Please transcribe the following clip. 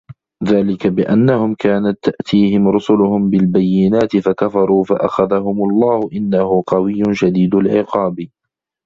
ذلِكَ بِأَنَّهُم كانَت تَأتيهِم رُسُلُهُم بِالبَيِّناتِ فَكَفَروا فَأَخَذَهُمُ اللَّهُ إِنَّهُ قَوِيٌّ شَديدُ العِقابِ